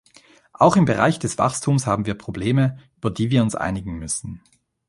Auch im Bereich des Wachstums haben wir Probleme, über die wir uns einigen müssen.